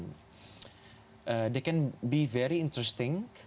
mereka bisa menjadi sangat menarik